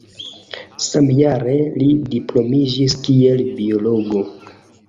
Samjare li diplomiĝis kiel biologo.